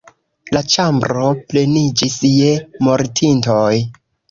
La ĉambro pleniĝis je mortintoj.